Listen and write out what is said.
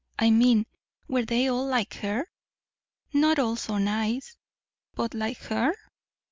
I mean, were they all like her?" "Not all so nice." "But like her?"